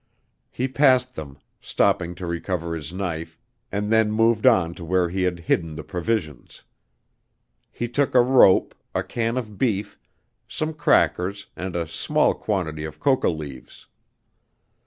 He passed them, stopping to recover his knife, and then moved on to where he had hidden the provisions. He took a rope, a can of beef, some crackers, and a small quantity of coca leaves.